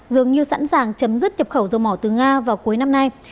dường như sẵn sàng chấm dứt nhập khẩu dầu mỏ từ nga vào cuối năm nay